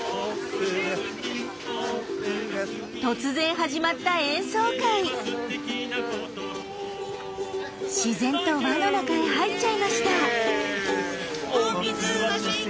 突然始まった自然と輪の中へ入っちゃいました。